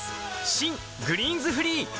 新「グリーンズフリー」